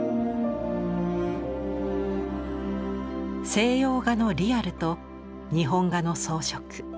西洋画のリアルと日本画の装飾。